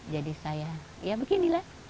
jadi saya ya beginilah